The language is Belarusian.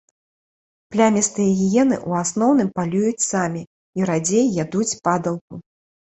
Плямістыя гіены ў асноўным палююць самі, і радзей ядуць падалку.